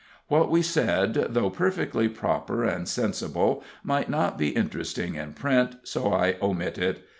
What we said, though perfectly proper and sensible, might not be interesting in print, so I omit it.